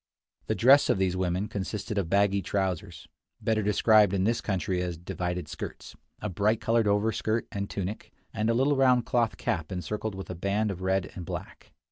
The dress of these women consisted of baggy trousers, better described in this country as "divided skirts," a bright colored overskirt and tunic, and a little round cloth cap encircled with a band of red and black.